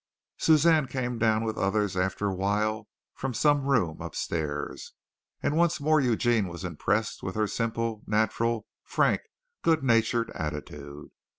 Suzanne came down with others after a while from some room upstairs, and once more Eugene was impressed with her simple, natural, frank, good natured attitude.